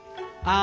あ。